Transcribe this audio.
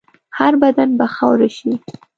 هر بدن به خاوره شي.